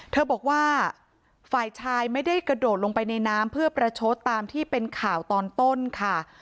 เธอบอกว่าฝ่ายชายไม่ได้กระโดดลงไปในน้ำเพื่อประชดตามที่เป็นข่าวตอนต้นค่ะ